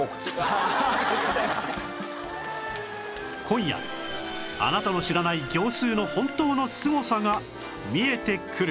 今夜あなたの知らない業スーの本当のすごさが見えてくる！